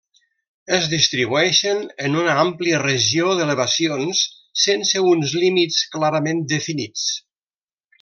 Es distribueixen en una àmplia regió d'elevacions sense uns límits clarament definits.